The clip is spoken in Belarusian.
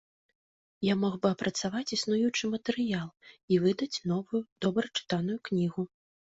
Я мог бы апрацаваць існуючы матэрыял і выдаць новую, добра чытаную кнігу.